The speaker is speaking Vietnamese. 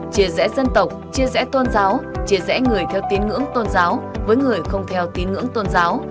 chia rẽ dân tộc chia rẽ tôn giáo chia rẽ người theo tín ngưỡng tôn giáo với người không theo tín ngưỡng tôn giáo